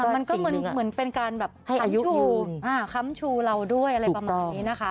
มันก็เหมือนเป็นการค้ำชูเราด้วยอะไรประมาณนี้นะคะ